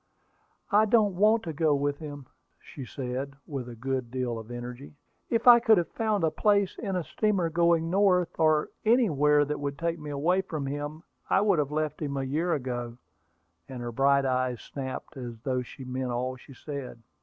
"I don't want to go with him," said she, with a good deal of energy. "If I could have found a place in a steamer going north, or anywhere that would take me away from him, I would have left him a year ago;" and her bright eyes snapped as though she meant all she said.